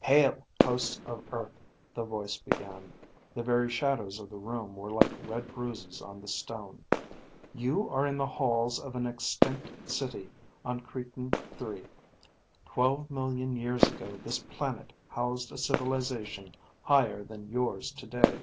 "Hail, hosts of Earth," the voice began. The very shadows of the room were like red bruises on the stone. "You are in the halls of an extinct city on Creton III. Twelve million years ago this planet housed a civilization higher than yours today.